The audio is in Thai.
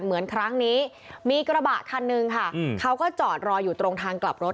เหมือนครั้งนี้มีกระบะคันนึงค่ะเขาก็จอดรออยู่ตรงทางกลับรถ